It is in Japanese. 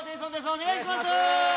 お願いします。